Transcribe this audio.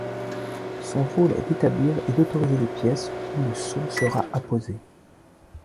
Son rôle est d'établir et d'autoriser les pièces où le sceau sera apposé.